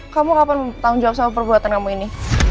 kamu kapan menanggung jawaban perbuatan kamu ini